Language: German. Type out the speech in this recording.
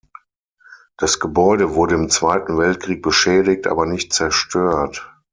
Das Gebäude wurde im Zweiten Weltkrieg beschädigt, aber nicht zerstört.